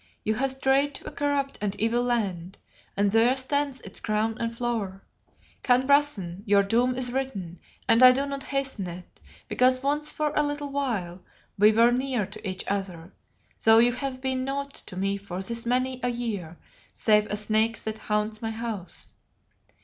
You have strayed to a corrupt and evil land, and there stands its crown and flower. Khan Rassen, your doom is written, and I do not hasten it, because once for a little while we were near to each other, though you have been naught to me for this many a year save a snake that haunts my house.